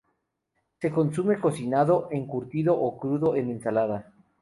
Se consume cocinado, encurtido o crudo en ensalada.